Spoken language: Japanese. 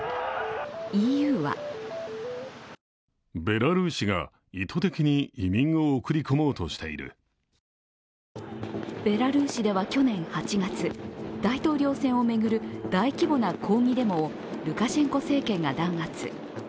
ＥＵはベラルーシでは去年８月、大統領選を巡る大規模な抗議デモをルカシェンコ政権が弾圧。